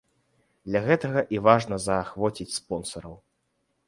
Для гэтага і важна заахвоціць спонсараў.